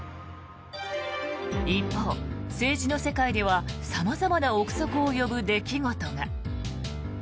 一方、政治の世界では様々な臆測を呼ぶ出来事が。